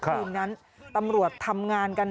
คืออย่างนั้นตำรวจทำงานกัน